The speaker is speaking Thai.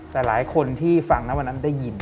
แต่หลายคนที่ฟังนะวันนั้นได้ยิน